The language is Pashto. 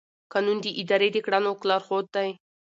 قانون د ادارې د کړنو لارښود دی.